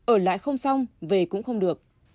ở lại không xong về cũng không được